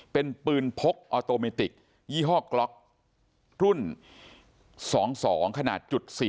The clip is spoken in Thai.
เป็นปืนพกออโตเมติกยี่ห้อกล็อกรุ่น๒๒ขนาด๔